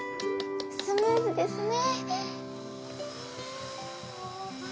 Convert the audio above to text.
スムーズですね。